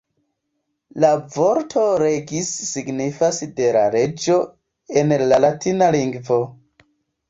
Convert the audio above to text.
La vorto ""regis"" signifas ""de la reĝo"" en la latina lingvo.